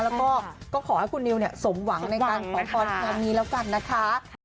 แล้วก็ขอให้คุณนิวสมหวังในการขอพรครั้งนี้แล้วกันนะคะ